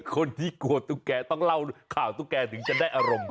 คนที่กลัวตุ๊กแกต้องเล่าข่าวตุ๊กแกถึงจะได้อารมณ์